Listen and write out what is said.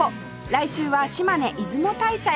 来週は島根出雲大社へ